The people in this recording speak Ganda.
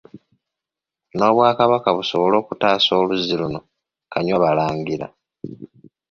N’Obwakabaka busobole okutaasa oluzzi luno Kanywabalangira.